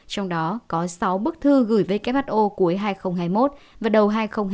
trong đó có sáu bức thư gửi who cuối hai nghìn hai mươi một và đầu hai nghìn hai mươi